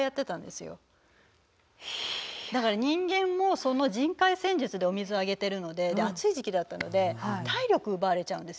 だから人間も人海戦術でお水をあげてるのでで暑い時期だったので体力奪われちゃうんですよね。